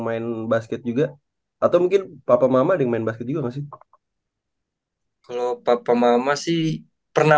main basket juga atau mungkin papa mama ada yang main basket juga masih kalau papa mama sih pernah